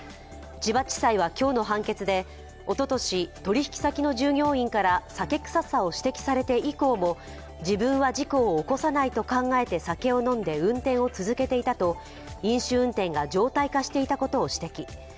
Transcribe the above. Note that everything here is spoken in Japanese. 千葉地裁は今日の判決で、おととし、取引先の従業員から酒臭さを指摘されて以降も自分は事故を起こさないと考えて酒を飲んで運転を続けていたと飲酒運転が常態化していたことを指摘。